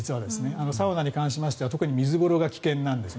サウナに関しては特に水風呂が危険なんですね。